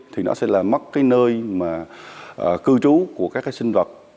thì nó sẽ là mất cái nơi mà cư trú của các cái sinh vật